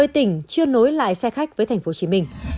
một mươi tỉnh chưa nối lại xe khách với tp hcm